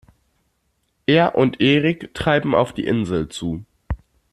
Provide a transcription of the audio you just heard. Er und Eric treiben auf die Insel zu.